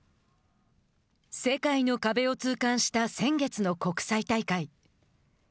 世界の壁を痛感した先月の国際大会。